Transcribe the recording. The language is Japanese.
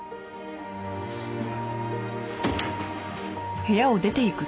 そんな。